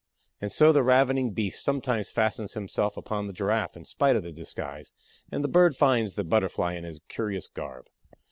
And so the ravening Beast sometimes fastens himself upon the Giraffe in spite of the disguise and the Bird finds the Butterfly in his curious garb.